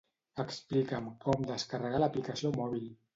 Explica'm com descarregar l'aplicació mòbil.